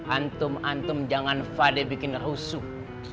antum antum jangan fade bikin rusuh